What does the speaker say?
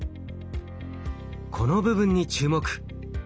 この部分に注目。